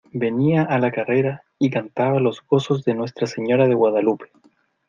venía a la carrera y cantaba los gozos de Nuestra Señora de Guadalupe.